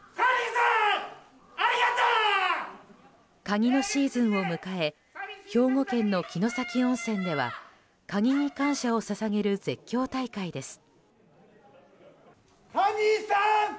カニのシーズンを迎え兵庫県の城崎温泉ではカニに感謝を捧げる絶叫大会です。